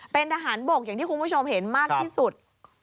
เป็นทหารบกอย่างที่คุณผู้ชมเห็นมากที่สุด